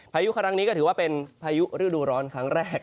พายุครั้งนี้ก็ถือว่าเป็นพายุฤดูร้อนครั้งแรก